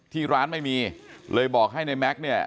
ที่ร้านไม่มีเลยบอกให้ในแม็กซ์เนี่ย